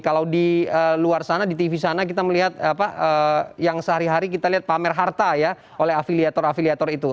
kalau di luar sana di tv sana kita melihat yang sehari hari kita lihat pamer harta ya oleh afiliator afiliator itu